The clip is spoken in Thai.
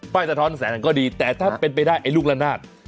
สะท้อนแสงก็ดีแต่ถ้าเป็นไปได้ไอ้ลูกละนาด